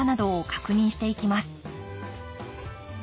確認していきます。